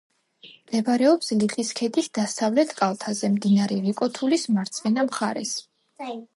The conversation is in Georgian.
მდებარეობს ლიხის ქედის დასავლეთ კალთაზე, მდინარე რიკოთულის მარცხენა მხარეს.